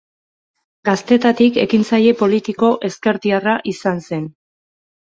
Gaztetatik ekintzaile politiko ezkertiarra izan zen.